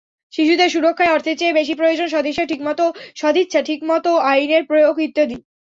শিশুদের সুরক্ষায় অর্থের চেয়ে বেশি প্রয়োজন সদিচ্ছা, ঠিকমতো আইনের প্রয়োগ ইত্যাদি।